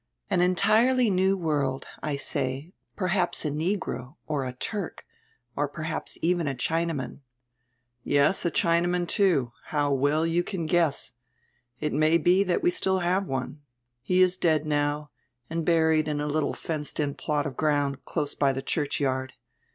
"An entirely new world, I say, perhaps a negro, or a Turk, or perhaps even a Chinaman." "Yes, a Chinaman, too. How well you can guess! It may be diat we still have one. He is dead now and buried in a littie fenced in plot of ground close by die churchyard.